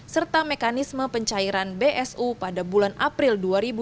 serta mekanisme pencairan bsu pada bulan april dua ribu dua puluh